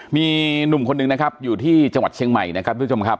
มีหนุ่มคนหนึ่งนะครับอยู่ที่จังหวัดเชียงใหม่นะครับทุกผู้ชมครับ